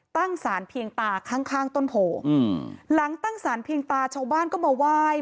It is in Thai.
ตั้งสารเพียงตาข้างข้างต้นโพอืมหลังตั้งสารเพียงตาชาวบ้านก็มาไหว้